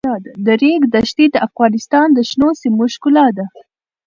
د ریګ دښتې د افغانستان د شنو سیمو ښکلا ده.